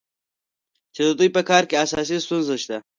خو د دوی په کار کې اساسي ستونزه شته.